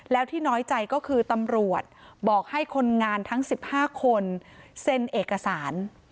แล้วที่น้อยใจก็คือตำรวจบอกให้คนงานทั้ง๑๕คนเซ็นเอกสาร